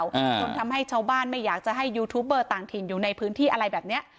จนทำให้ชาวบ้านไม่อยากจะให้ยูทูปเบอร์ต่างถิ่นอยู่ในพื้นที่อะไรแบบเนี้ย